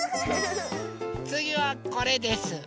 つぎはこれです。